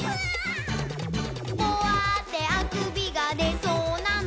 「ポワーッてあくびがでそうなの？」